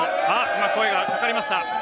今、声がかかりました。